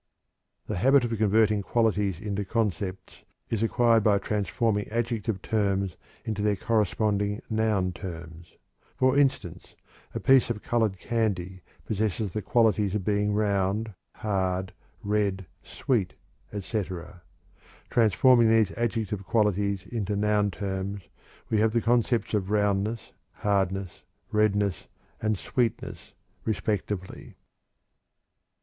The habit of converting qualities into concepts is acquired by transforming adjective terms into their corresponding noun terms. For instance, a piece of colored candy possesses the qualities of being round, hard, red, sweet, etc. Transforming these adjective qualities into noun terms we have the concepts of roundness, hardness, redness, and sweetness, respectively.